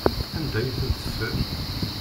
Anda ay ten-teffer?